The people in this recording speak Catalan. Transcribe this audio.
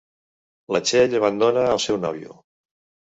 La Txell abandona el seu nòvio.